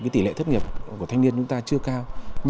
tỷ lệ thất nghiệp của thanh niên chúng ta chưa cao